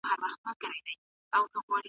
وروڼه له وروڼو څخه بیریږي